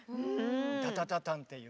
タタタタンっていう。